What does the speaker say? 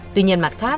tuy nhiên mặt khác